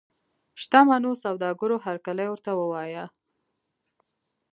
شته منو سوداګرو هرکلی ورته ووایه.